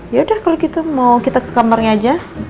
ya udah kalau gitu mau kita ke kamarnya aja